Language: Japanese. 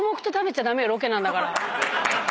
ロケなんだから。